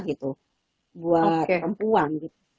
gitu buat perempuan